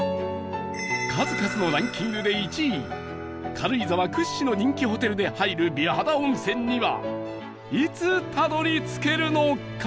数々のランキングで１位軽井沢屈指の人気ホテルで入る美肌温泉にはいつたどり着けるのか？